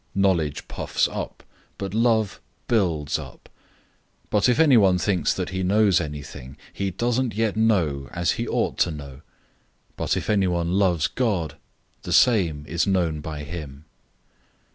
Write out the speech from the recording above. Knowledge puffs up, but love builds up. 008:002 But if anyone thinks that he knows anything, he doesn't yet know as he ought to know. 008:003 But if anyone loves God, the same is known by him.